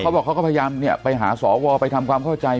บอกเขาก็พยายามไปหาสวไปทำความเข้าใจ